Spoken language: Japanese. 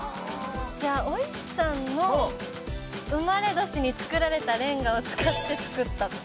お石さんの生まれ年に作られたレンガを使って作ったとか。